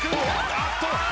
あっと！